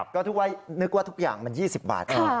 ก็นึกว่าทุกอย่างมัน๒๐บาท